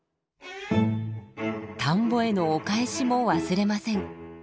田んぼへのお返しも忘れません。